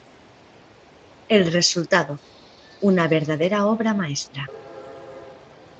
El resultado, una verdadera obra maestra.